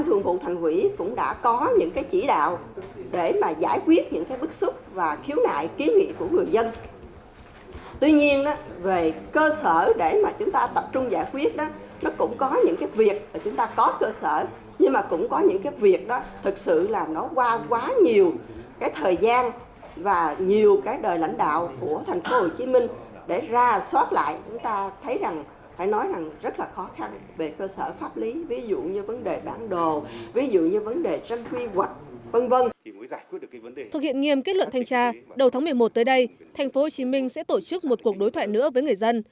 thực hiện nghiêm kết luận thanh tra đầu tháng một mươi một tới đây tp hcm sẽ tổ chức một cuộc đối thoại nữa với người dân